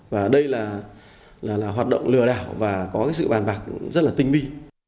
và đây là hoạt động lừa đảo và có sự bàn bạc rất là tinh bi